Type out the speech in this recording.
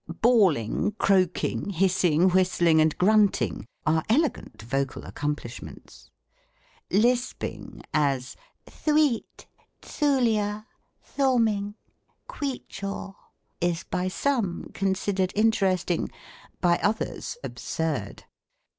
Bawling, croaking, hissing, whistling, and grunting, are elegant vocal accomplishments. Lisping, as, Ihweet, Dthooliur, thawming, kwecchau, is by some considered interesting, by others absurd.